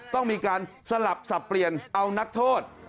ต้องมีการสลับสับเปลี่ยนเอานักโทษ